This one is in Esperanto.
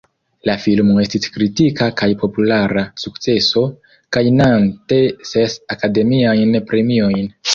La filmo estis kritika kaj populara sukceso, gajnante ses Akademiajn Premiojn.